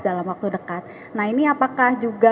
dalam waktu dekat nah ini apakah juga